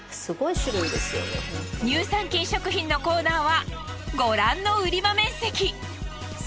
乳酸菌食品のコーナーはご覧の売り場面積！